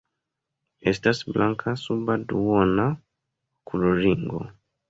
Estas blanka suba duona okulringo.